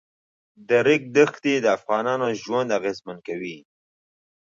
د ریګ دښتې د افغانانو ژوند اغېزمن کوي.